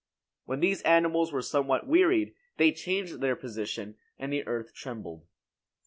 When these animals were somewhat wearied, they changed their position, and the earth trembled.